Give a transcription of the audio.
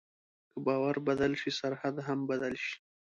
که باور بدل شي، سرحد هم بدل شي.